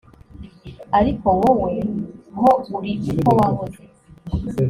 ariko wowe ho uri uko wahoze.